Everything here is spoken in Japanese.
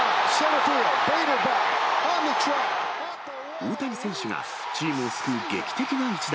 大谷選手がチームを救う劇的な一打。